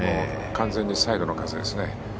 完全にサイドの風ですね。